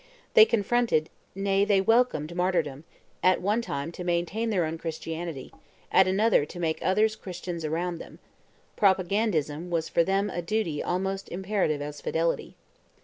They confronted, nay, they welcomed martyrdom, at one time to maintain their own Christianity, at another to make others Christians around them; propagandism was for them a duty almost as imperative as fidelity.